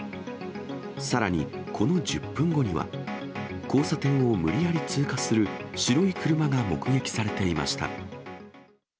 さらにこの１０分後には、交差点を無理やり通過する白い車が目撃されていました。